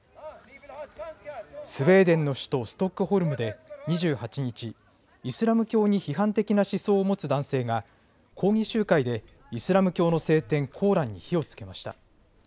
スウェーデンの首都ストックホルムで２８日、イスラム教に批判的な思想を持つ男性が抗議集会でイスラム教の聖典、コーランに火をつけました。